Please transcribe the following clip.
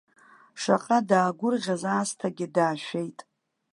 Шаҟа даагәырӷьаз аасҭагьы даашәеит.